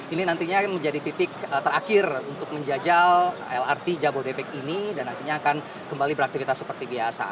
ini nantinya menjadi titik terakhir untuk menjajal lrt jabodebek ini dan nantinya akan kembali beraktivitas seperti biasa